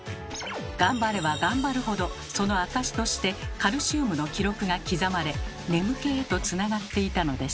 頑張れば頑張るほどその証しとしてカルシウムの記録が刻まれ眠気へとつながっていたのです。